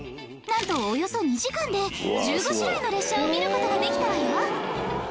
なんとおよそ２時間で１５種類の列車を見る事ができたわよ！